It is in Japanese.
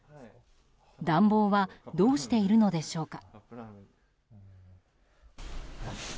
暖房はどうしているのでしょうか。